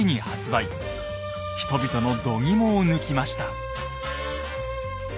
人々のどぎもを抜きました。